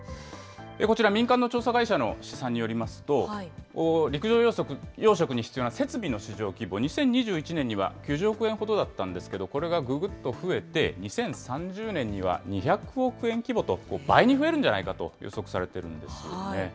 こちら、民間の調査会社の試算によりますと、陸上養殖に必要な設備の市場規模、２０２１年には９０億円ほどだったんですけれども、これがぐぐっと増えて、２０３０年には２００億円規模と、倍に増えるんじゃないかと予測されているんですよね。